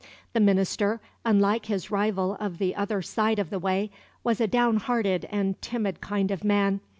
The minister, unlike his rival of the other side of the way, was a down hearted and timid kind of man.